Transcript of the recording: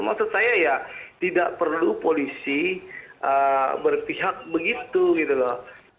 maksud saya ya tidak perlu polisi berpihak begitu gitu loh